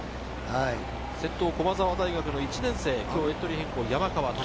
先頭・駒澤大学１年生、今日エントリー変更の山川拓馬。